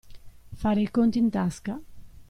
Fare i conti in tasca.